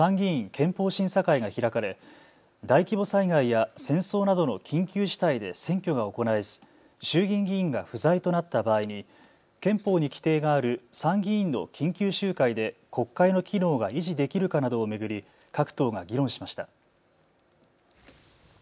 憲法審査会が開かれ大規模災害や戦争などの緊急事態で選挙が行えず衆議院議員が不在となった場合に憲法に規定がある参議院の緊急集会で国会の機能が維持できるかなどを巡り各党が議論しました。